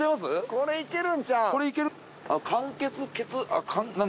これ行けるんちゃうん？